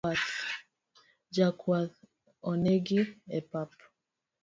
Jakwath onegi epap